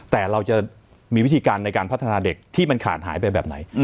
แต่เราจะมีวิธีการในการพัฒนาเด็กที่มันขาดหายไปแบบไหน